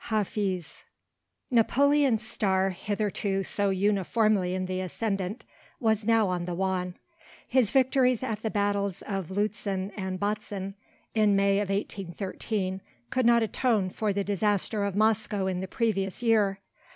HAFIZ. Napoleon's star, hitherto so uniformly in the ascendant, was now on the wane. His victories at the battles of Lützen and Bautzen in May of 1813, could not atone for the disaster of Moscow in the previous year.